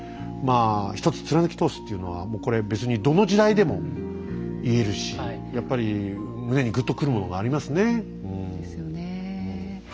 まあ１つ貫き通すっていうのはこれ別にどの時代でも言えるしやっぱり胸にぐっとくるものがありますねうん。